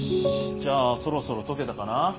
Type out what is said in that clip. じゃあそろそろ解けたかな？